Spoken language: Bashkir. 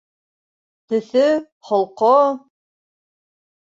Төҫө, холҡо...